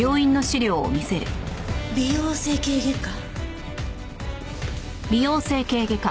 美容整形外科？